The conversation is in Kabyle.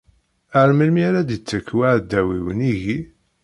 Ar melmi ara d-ittekk uɛdaw-iw nnig-i?